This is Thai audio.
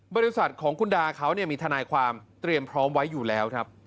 บริษัทของคุณดาเขามีทนายความเตรียมพร้อมไว้อยู่แล้วครับ